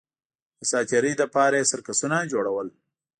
د ساتېرۍ لپاره یې سرکسونه جوړول